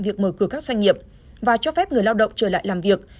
việc mở cửa các doanh nghiệp và cho phép người lao động trở lại làm việc